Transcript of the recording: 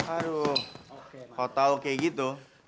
aduh kok tau kayak gitu